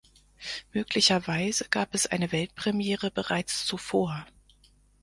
Möglicherweise gab es eine Weltpremiere bereits zuvor.